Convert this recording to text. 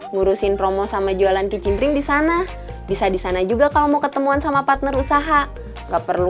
ngurusin promo sama jualan kicing pring di sana bisa di sana juga kalau mau ketemuan sama partner usaha gak perlu